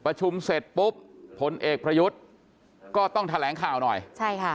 ประชุมเสร็จปุ๊บผลเอกประยุทธ์ก็ต้องแถลงข่าวหน่อยใช่ค่ะ